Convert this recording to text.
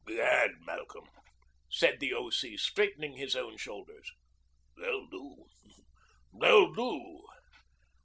... 'Gad, Malcolm,' said the O.C. straightening his own shoulders, 'they'll do, they'll do.'